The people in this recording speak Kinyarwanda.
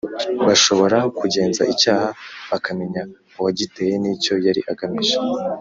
Bashobora kugenza icyaha bakamenya uwagiteye nicyo yari agamije